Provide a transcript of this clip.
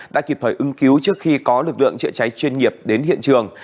đã kịp thời ưng cứu trước khi có lực lượng chữa cháy chuyên nghiệp đến hiện trường